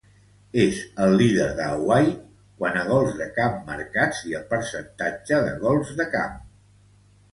És el líder de Hawaii quant a gols de camp marcats i el percentatge de gols de camp.